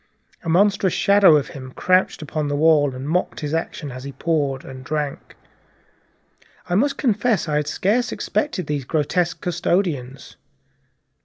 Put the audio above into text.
A monstrous shadow of him crouched upon the wall, and mocked his action as he poured and drank. I must confess I had scarcely expected these grotesque custodians.